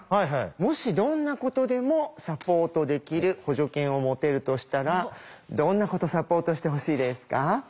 もしどんなことでもサポートできる補助犬を持てるとしたらどんなことサポートしてほしいですか？